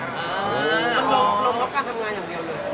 มันลงพร้อมการทำงานอย่างเดียว